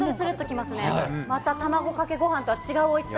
また、たまごかけごはんとは違うおいしさ。